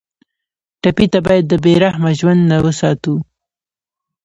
ټپي ته باید د بې رحمه ژوند نه وساتو.